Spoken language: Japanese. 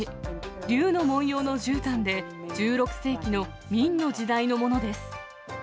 竜の紋様のじゅうたんで、１６世紀の明の時代のものです。